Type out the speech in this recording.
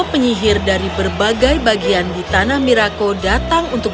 semua penyihir dari berbagai bagian di tanah mirako mereka akan menangkap semua orang